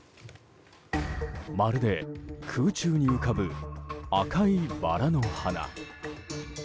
まるで空中に浮かぶ赤いバラの花。